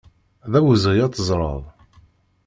D awezɣi ad teẓreḍ.